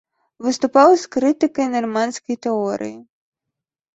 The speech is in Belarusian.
Выступаў з крытыкай нарманскай тэорыі.